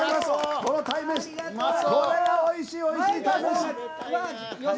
これはおいしいおいしい鯛めし。